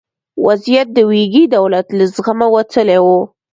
وضعیت د ویګي دولت له زغمه وتلی و.